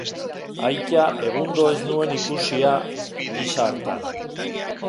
Aita egundo ez nuen ikusia gisa hartan.